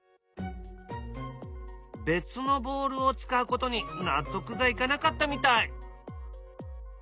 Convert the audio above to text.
別のボールを使うことに納得がいかなかったみたい。